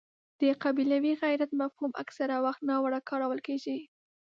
د قبیلوي غیرت مفهوم اکثره وخت ناوړه کارول کېږي.